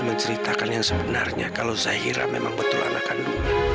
aku mau menceritakan yang sebenarnya kalau zahira memang betul anak kandung